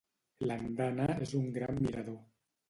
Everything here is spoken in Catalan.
L'andana és un gran mirador.